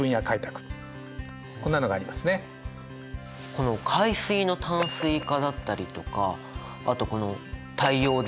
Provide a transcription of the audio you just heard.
この「海水の淡水化」だったりとかあとこの「太陽電池」